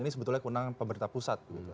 ini sebetulnya kewenangan pemerintah pusat